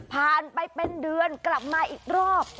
ผ่านไปเป็นเดือนกลับมาอีกรอบ